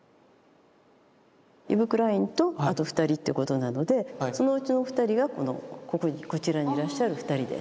イヴ・クラインとあと２人ってことなのでそのうちの２人がこちらにいらっしゃる２人です。